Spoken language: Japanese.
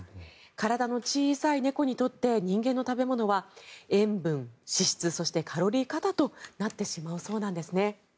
体の小さい猫にとって人間の食べ物は塩分、脂質、そしてカロリー過多となってしまうそうです。